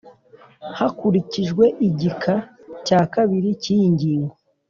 hakurikijwe igika cya kabiri cy iyi ngingo